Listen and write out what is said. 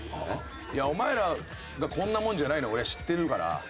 いやお前らがこんなもんじゃないのは俺は知ってるから。